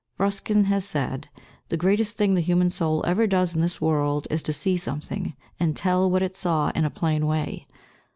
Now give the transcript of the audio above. Ruskin has said, "The greatest thing the human soul ever does in this world is to see something, and tell what it saw in a plain way.